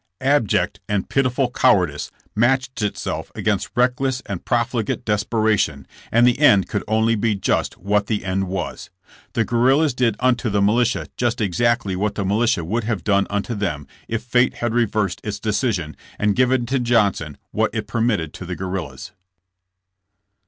Abject and pitiful cowardice matched itself against reckless and profligate desper ation, and the end could only be just what the end was. The guerrillas did unto the militia just exactly what the militia would have done unto them if fate had reversed its decision and given to Johnson what it permitted to the guerrillas.